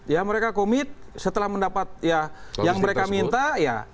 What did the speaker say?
ya mereka komit setelah mendapat ya yang mereka minta ya